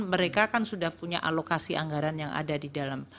mereka kan sudah punya alokasi anggaran yang ada di dalam